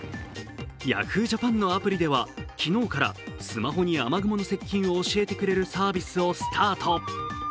Ｙａｈｏｏ！ＪＡＰＡＮのアプリでは昨日から、スマホに雨雲の接近を教えてくれるサービスをスタート。